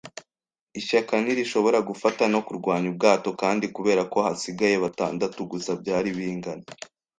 ishyaka ntirishobora gufata no kurwanya ubwato; kandi kubera ko hasigaye batandatu gusa, byari bingana